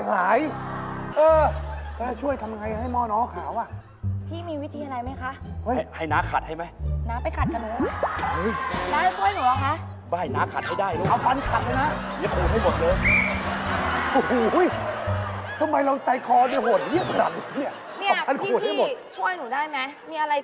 แล้วก็นี่ทำให้เป็นอย่างไร